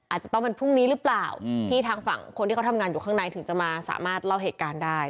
อาจจะต้องวันพรุ่งนี้หรือเปล่าที่ทางฝั่งคนที่เขาทำงานอยู่ข้างในถึงจะมาสามารถเล่าเหตุการณ์ได้